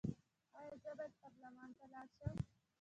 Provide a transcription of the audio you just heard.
ایا زه باید پارلمان ته لاړ شم؟